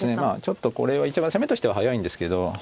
ちょっとこれは一番攻めとしては速いんですけど。